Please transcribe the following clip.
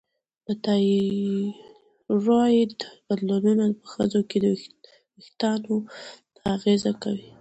د تایروییډ بدلونونه په ښځو کې وېښتو ته اغېزه کوي.